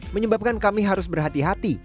menyebabkan kami harus berhati hati